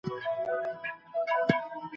د ژوند حق ته ارزښت ورکړئ.